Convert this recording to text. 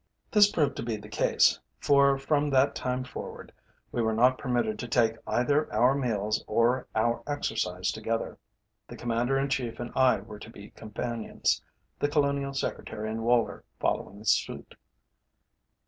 This proved to be the case, for from that time forward, we were not permitted to take either our meals or our exercise together. The Commander in Chief and I were to be companions; the Colonial Secretary and Woller following suite.